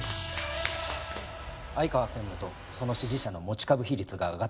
相川専務とその支持者の持ち株比率が上がっています。